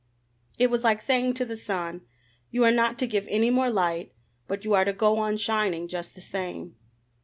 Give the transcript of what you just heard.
It was like saying to the sun: "You are not to give any more light, but you are to go on shining just the same."